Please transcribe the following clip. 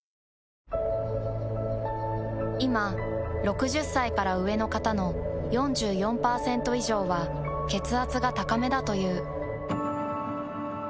いま６０歳から上の方の４４％以上は血圧が高めだという。